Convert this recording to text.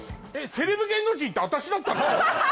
セレブ芸能人ってアタシだったの！？